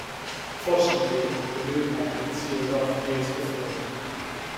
Fortunately, the loop had been sealed off years before.